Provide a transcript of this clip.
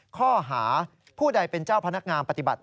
ข้อหาผู้ใดเป็นเจ้าพนักงานปฏิบัติ